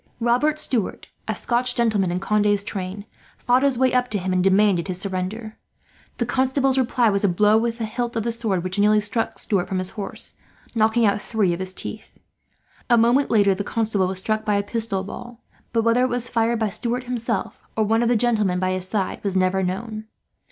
Robert Stuart, a Scotch gentleman in Conde's train, fought his way up to him and demanded his surrender. The Constable's reply was a blow with the hilt of the sword which nearly struck Stuart from his horse, knocking out three of his teeth. A moment later the Constable was struck by a pistol ball, but whether it was fired by Stuart himself, or one of the gentlemen by his side, was never known.